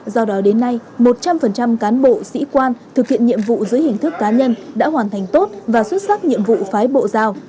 do đó đến nay một trăm linh cán bộ sĩ quan thực hiện nhiệm vụ dưới hình thức cá nhân đã hoàn thành tốt và xuất sắc nhiệm vụ phái bộ giao